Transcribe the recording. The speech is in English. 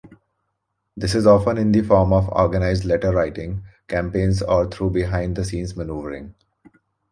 This is often in the form of organized letter-writing campaigns or through behind-the-scenes manoeuvring.